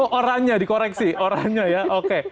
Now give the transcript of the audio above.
oh oranya dikoreksi oranya ya oke